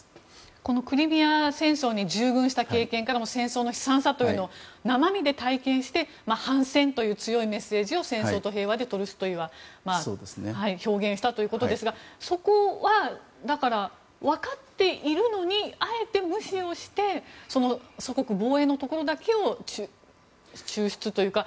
クリミア戦争に従軍した経験からも戦争の悲惨さを生身で体験して反戦という強いメッセージをトルストイは「戦争と平和」で表現したということですがそこは分かっているのにあえて無視をして祖国防衛のところだけを抽出というか。